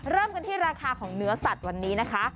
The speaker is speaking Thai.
เริ่มกันที่ราคาของเนื้อสัตว์วันนี้นะคะ